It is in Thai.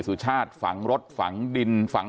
ก็คุณตามมาอยู่กรงกีฬาดครับ